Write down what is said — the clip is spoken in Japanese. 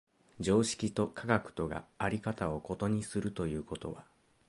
常識と科学とが在り方を異にするということは、